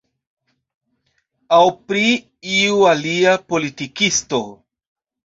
Aŭ pri iu alia politikisto.